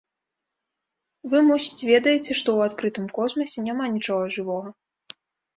Вы, мусіць, ведаеце, што ў адкрытым космасе няма нічога жывога.